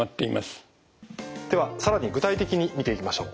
では更に具体的に見ていきましょう。